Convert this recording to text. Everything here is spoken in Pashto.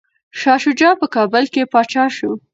شاه شجاع په کابل کي پاچا شو.